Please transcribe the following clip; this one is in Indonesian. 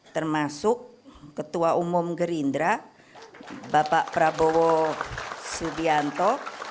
termasuk ketua umum gerindra bapak prabowo subianto